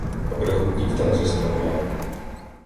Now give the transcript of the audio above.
А брехунів там заставляли